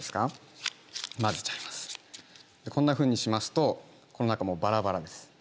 でこんなふうにしますとこの中もうバラバラです。